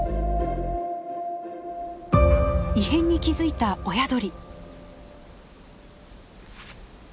異変に気付いた親鳥。